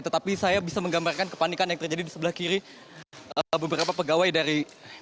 tetapi saya bisa menggambarkan kepanikan yang terjadi di sebelah kiri beberapa pegawai dari